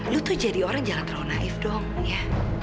lu tuh jadi orang yang jarak terang naif dong ya